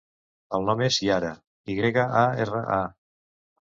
El nom és Yara: i grega, a, erra, a.